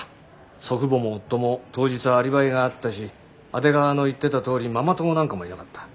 祖父母も夫も当日はアリバイがあったし阿出川の言ってたとおりママ友なんかもいなかった。